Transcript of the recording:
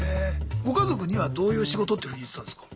ご家族にはどういう仕事っていうふうに言ってたんすか？